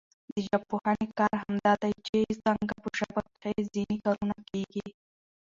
د ژبپوهني کار همدا دئ، چي څنګه په ژبه کښي ځیني کارونه کېږي.